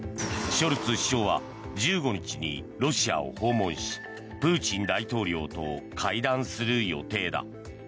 ショルツ首相は１５日にロシアを訪問しプーチン大統領と会談する予定だ。